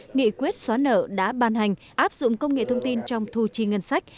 nghị quyết xóa nợ đã ban hành áp dụng công nghệ thông tin trong thu chi ngân sách